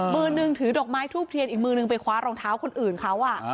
มือนึงถือดอกไม้ทูบเทียนอีกมือนึงไปคว้ารองเท้าคนอื่นเขา